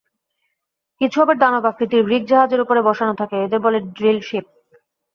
কিছু আবার দানব আকৃতির রিগ জাহাজের ওপরে বসানো থাকে, এদের বলে ড্রিলশিপ।